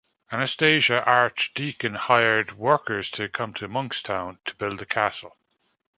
Anastasia ArchDeacon hired workers to come to Monkstown to build the castle.